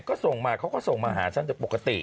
ก็ส่งมาเขาก็ส่งมาหาฉันแต่ปกติ